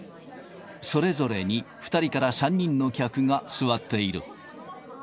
それぞれに２人から３人の客が座っている。